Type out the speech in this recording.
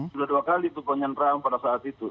sudah dua kali itu penyanderaan pada saat itu